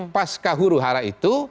pas ke huru hara itu